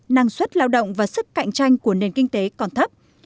năng suất lao động và sức cạnh tranh của nền kinh tế còn thấp